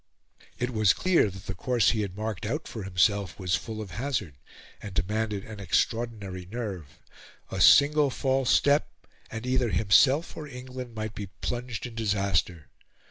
It was clear that the course he had marked out for himself was full of hazard, and demanded an extraordinary nerve; a single false step, and either himself, or England, might be plunged in disaster.